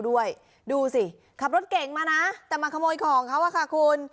ด้วยดูสิขับรถเก่งมานะแต่มาขโมยของเขาอะค่ะคุณ